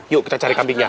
yuk kita cari kambingnya